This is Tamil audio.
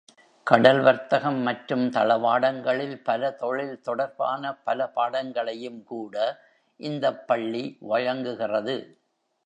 கடல் வர்த்தகம் மற்றும் தளவாடங்களில் பல தொழில் தொடர்பான பல பாடங்களையும்கூட இந்தப் பள்ளி வழங்குகிறது.